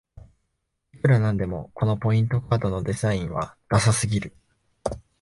いくらなんでもこのポイントカードのデザインはダサすぎる